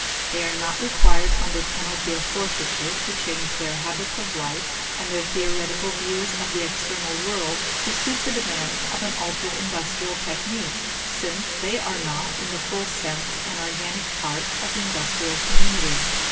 They are not required under penalty of forfeiture to change their habits of life and their theoretical views of the external world to suit the demands of an altered industrial technique, since they are not in the full sense an organic part of the industrial community.